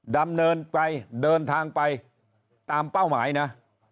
ดำเนินไปเดินทางไปตามเป้าหมายนะ